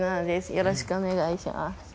よろしくお願いします。